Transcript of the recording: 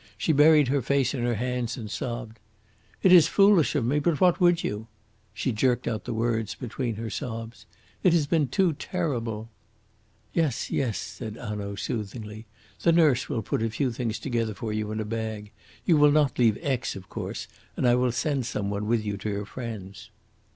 She buried her face in her hands and sobbed. "It is foolish of me, but what would you?" She jerked out the words between her sobs. "It has been too terrible." "Yes, yes," said Hanaud soothingly. "The nurse will put a few things together for you in a bag. You will not leave Aix, of course, and I will send some one with you to your friends."